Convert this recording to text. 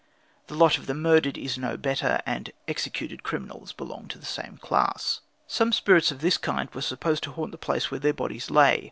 The lot of the murdered is no better, and executed criminals belong to the same class. Spirits of this kind were supposed to haunt the place where their bodies lay.